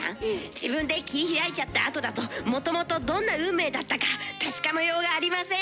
自分で切り開いちゃったあとだともともとどんな運命だったか確かめようがありません。